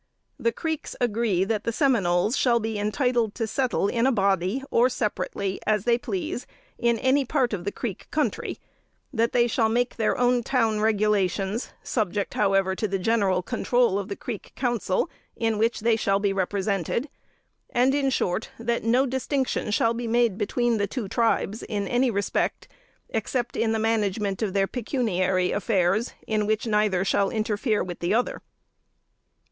The Creeks agree that the Seminoles shall be entitled to settle in a body, or separately, as they please, in any part of the Creek Country; that they shall make their own town regulations, subject, however, to the general control of the Creek Council in which they shall be represented; and, in short, that no distinction shall be made between the two tribes in any respect, except in the management of their pecuniary affairs; in which neither shall interfere with the other."